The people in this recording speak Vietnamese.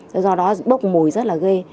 thế do đó bốc mùi rất là ghê